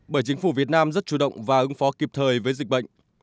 bởi chính phủ việt nam rất chủ động và ứng phó kịp thời với dịch bệnh